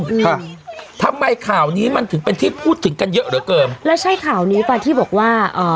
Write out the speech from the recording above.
อืมค่ะทำไมข่าวนี้มันถึงเป็นที่พูดถึงกันเยอะเหลือเกินแล้วใช่ข่าวนี้ป่ะที่บอกว่าอ่า